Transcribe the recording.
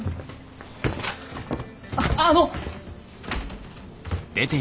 あっあの。